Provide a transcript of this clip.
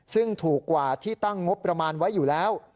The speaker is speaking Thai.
ซึ่งถูกกว่าที่ตั้งงบประมาณไว้อยู่แล้ว